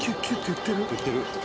いってる。